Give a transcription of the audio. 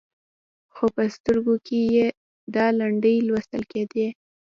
خو په سترګو کې یې دا لنډۍ لوستل کېدې.